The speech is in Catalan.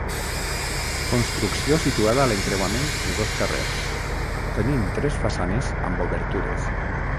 Construcció situada a l'encreuament de dos carrers, tenint tres façanes amb obertures.